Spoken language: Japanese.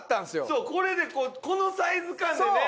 そうこれでこのサイズ感でね。